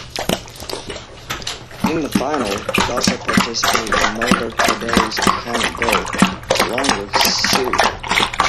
In the final, he also participated in Marco Tardelli's iconic goal, along with Scirea.